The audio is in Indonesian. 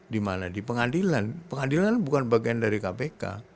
dimana di pengadilan pengadilan bukan bagian dari kpk